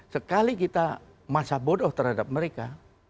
sekali kita masa bodoh terhadap mereka